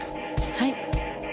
はい。